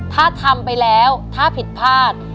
ถ้าทำไปแล้วถ้าผิดพลาด